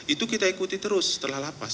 itu kita ikuti terus setelah lapas